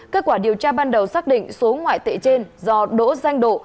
kết quả điều tra ban đầu xác định số ngoại tệ trên do đỗ danh độ